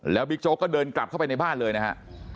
บิ๊กโจ๊กก็เดินกลับเข้าไปในบ้านเลยนะฮะ